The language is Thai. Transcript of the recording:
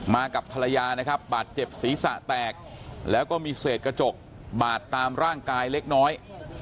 กับภรรยานะครับบาดเจ็บศีรษะแตกแล้วก็มีเศษกระจกบาดตามร่างกายเล็กน้อย